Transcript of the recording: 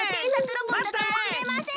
ロボットかもしれません。